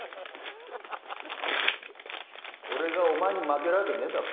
俺がお前に負けるわけねえだろ